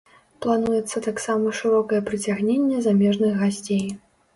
Плануецца таксама шырокае прыцягненне замежных гасцей.